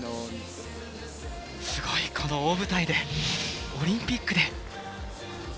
すごいこの大舞台でオリンピックで。